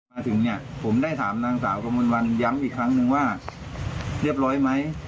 มาถึงเนี่ยผมได้ถามนางสาวกระมวลวันย้ำอีกครั้งนึงว่าเรียบร้อยไหม